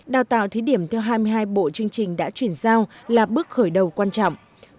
đào tạo thí điểm theo hai mươi hai bộ chương trình đã chuyển giao là bước khởi đầu quan trọng